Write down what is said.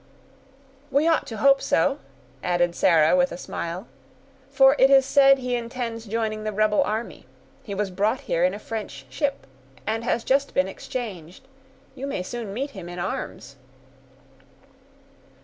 "We ought to hope so," added Sarah, with a smile, "for it is said he intends joining the rebel army. He was brought in here in a French ship, and has just been exchanged; you may soon meet him in arms."